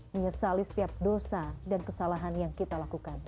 menyesali setiap dosa dan kesalahan yang kita lakukan